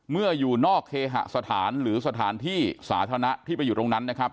อยู่นอกเคหสถานหรือสถานที่สาธารณะที่ไปอยู่ตรงนั้นนะครับ